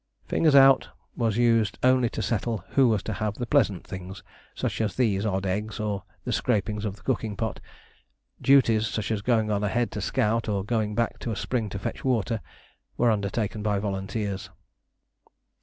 "Fingers out" was used only to settle who was to have the pleasant things, such as these odd eggs, or the scrapings of the cooking pot; duties such as going on ahead to scout or going back to a spring to fetch water were undertaken by volunteers.